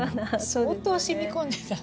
相当染み込んでた。